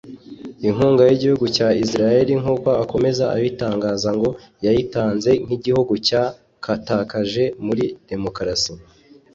Inkunga y’igihugu cya Israel nk’uko akomeza abitangaza ngo yayitanze nk’igihugu cya kataje muri Demokarasi